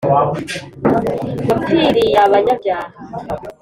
Wapfiriy’ abanyabyaha,